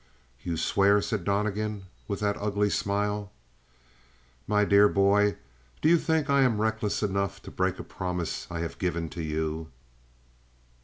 "You swear?" said Donnegan with that ugly smile. "My dear boy, do you think I am reckless enough to break a promise I have given to you?"